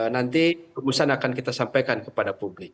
nanti rumusan akan kita sampaikan kepada publik